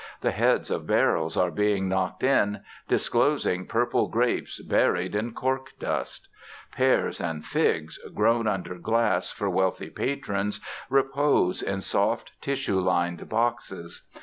The heads of barrels are being knocked in, disclosing purple grapes buried in corkdust. Pears and figs, grown under glass for wealthy patrons, repose in soft tissue lined boxes.